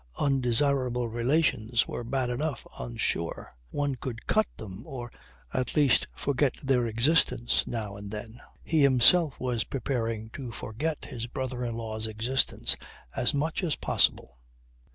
Undesirable relations were bad enough on shore. One could cut them or at least forget their existence now and then. He himself was preparing to forget his brother in law's existence as much as possible.